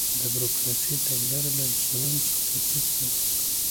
د بروکراسي تګلارې له انسانانو څخه توپیر پیدا کړ.